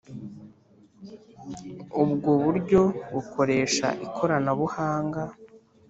ubwoburyo bukoresha ikoranabuhanga.